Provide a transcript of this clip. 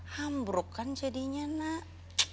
hambruk kan jadinya nak